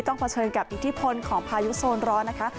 เผชิญกับอิทธิพลของพายุโซนร้อนนะคะ